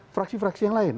fraksi fraksi yang lain